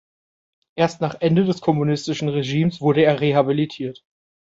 Erst nach Ende des kommunistischen Regimes wurde er rehabilitiert.